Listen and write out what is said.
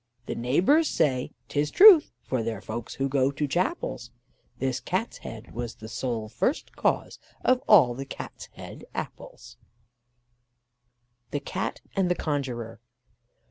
The neighbours say ('tis truth, for they're folks who go to chapels), This Cat's head was the sole first cause of all the Cat's head apples!" [Illustration: THE CAT AND THE CONJUROR.